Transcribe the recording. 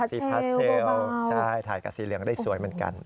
ซีพาสเทลใช่ถ่ายกับสีเหลืองได้สวยเหมือนกัน